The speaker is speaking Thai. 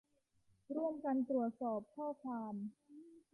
ร่วมกันตรวจสอบข้อความ